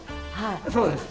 そうです。